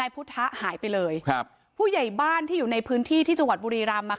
พุทธหายไปเลยครับผู้ใหญ่บ้านที่อยู่ในพื้นที่ที่จังหวัดบุรีรำ